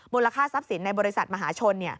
ค่าทรัพย์สินในบริษัทมหาชน